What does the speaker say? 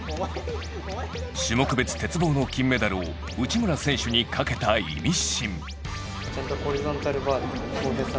種目別鉄棒の金メダルを内村選手にかけたイミシン。